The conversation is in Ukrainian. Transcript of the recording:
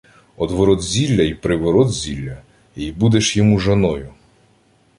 — Одворот-зілля й приворот-зілля, й будеш йому жоною.